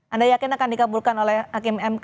anda yakin akan dikabulkan oleh hkmmk